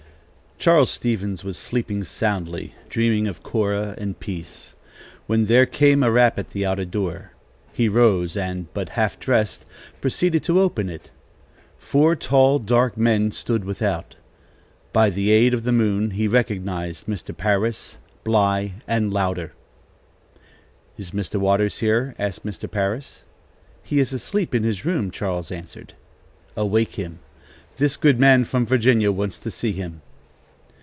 Charles Stevens was sleeping soundly, dreaming of Cora and peace, when there came a rap at the outer door. He rose and, but half dressed, proceeded to open it. Four tall, dark men stood without. By the aid of the moon, he recognized Mr. Parris, Bly and Louder. "Is Mr. Waters here?" asked Mr. Parris. "He is asleep in his room," Charles answered. "Awake him. This good man from Virginia wants to see him."